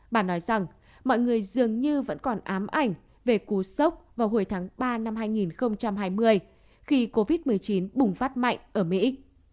bà nói rằng mọi người dường như vẫn còn ám ảnh về cú sốc vào hồi tháng ba năm hai nghìn hai mươi khi covid một mươi chín bùng phát mạnh ở mỹ